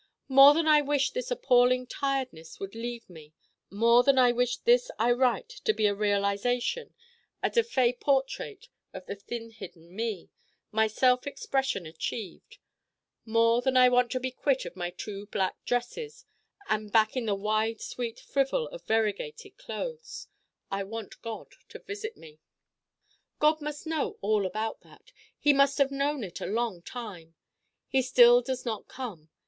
More than I wish this appalling tiredness would leave me: more than I wish this I write to be a realization, a de fait portrait of the thin hidden Me, my self expression achieved: more than I want to be quit of my two black dresses and back in the wide sweet frivol of variegated clothes: I want God to visit me. God must know all about that. He must have known it a long time. He still does not come.